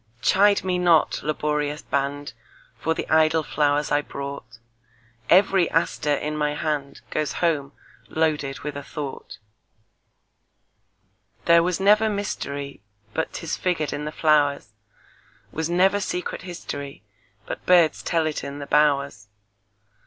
Chide me not, laborious band, For the idle flowers I brought; Every aster in my handGoes home loaded with a thought. There was never mysteryBut 'tis figured in the flowers; SWas never secret historyBut birds tell it in the bowers.